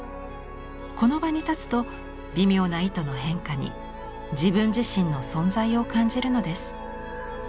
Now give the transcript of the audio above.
この場に立つと微妙な糸の変化に自分自身の存在を感じるのです。